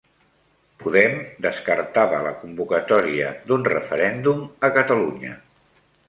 Podem descartava la convocatòria d'un referèndum a Catalunya